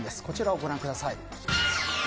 こちらをご覧ください。